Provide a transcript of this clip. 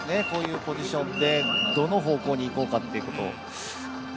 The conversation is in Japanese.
こういうポジションでどの方向に行こうかっていうこと。